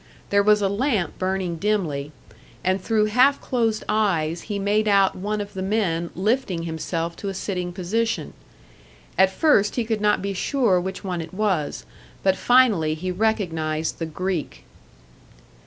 There was a lamp burning dimly, and through half closed eyes he made out one of the men lifting himself to a sitting position. At first he could not be sure which one it was, but finally he recognised the Greek.